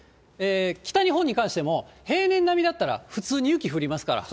北日本に関しても、平年並みだったら普通に雪降りますから。